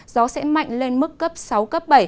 gió sẽ mạnh lên mức cấp sáu cấp bảy